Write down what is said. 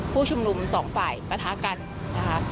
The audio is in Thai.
ผู้ชุมนุมสองฝ่ายปะทะกันนะคะ